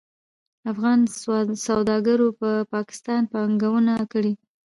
افغان سوداګرو په پاکستان پانګونه کړې.